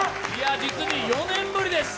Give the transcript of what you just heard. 実に４年ぶりです。